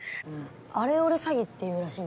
アレオレ詐欺っていうらしいんですけど。